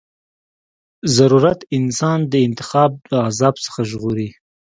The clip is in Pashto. ضرورت انسان د انتخاب د عذاب څخه ژغوري.